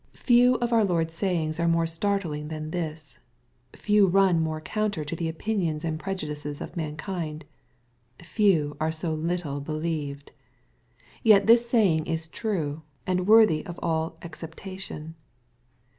Few of our Lord's sayings sound more startling than 11 242 EXPOSITOKY 1 HOUGH W. tliis. Few run more counter to the opinions and prejudices of mankind. Few are so little believed. Yet this saying is true, and worthy of all acceptation.